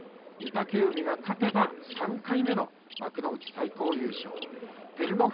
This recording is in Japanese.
御嶽海が勝てば３回目の幕内最高優勝です。